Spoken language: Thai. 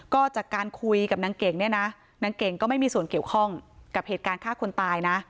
ก็จากการคุยกับนางเก่งเนี่ยนะนางเก่งก็ไม่มีส่วนเกี่ยวข้องกับเหตุการณ์ฆ่าคนตายนะ